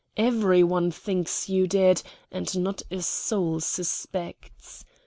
Every one thinks you dead; and not a soul suspects.